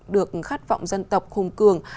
được khát vọng dân tộc khung cường